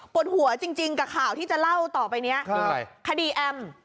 กดหัวจริงจริงกับข่าวที่จะเล่าต่อไปเนี้ยค่ะคดีแอม